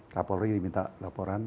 kapolri diminta laporan